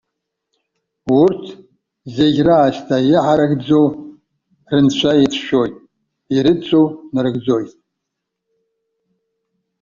Урҭ, зегьы раасҭа иҳаракӡоу рынцәа ицәшәоит, ирыдҵоу нарыгӡоит.